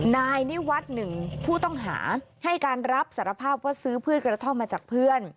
นายนิวัฒน์หนึ่งผู้ต้องหาให้การรับสารภาพว่าซื้อพืชกระท่อมมาจากเพื่อน